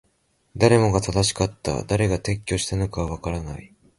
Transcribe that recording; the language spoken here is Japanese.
誰もが正しかった。誰が撤去したのかはわからない。